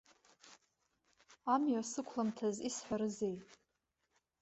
Амҩа сықәламҭаз исҳәарызеи?